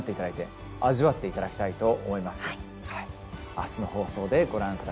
明日の放送でご覧下さい。